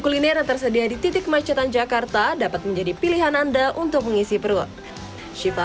kuliner tersedia di titik masjid jakarta dapat menjadi pilihan anda untuk mengisi perut syifa